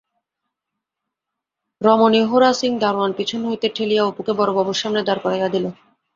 রামনিহোরা সিং দারোয়ান পিছন হইতে ঠেলিয়া অপুকে বড়বাবুর সামনে দাঁড় করাইয়া দিল।